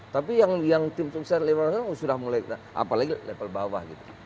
tapi yang tim sukses sudah mulai apalagi level bawah gitu